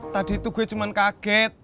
tadi itu gue cuma kaget